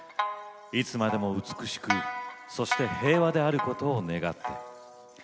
いつまでも美しくそして平和であることを願って。